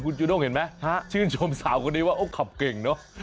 คุณจุด้งเห็นไหมชื่นชมสาวนี้ว่าอ้อขับเก่งเนอะ